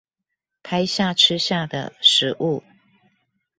拍下吃下的食物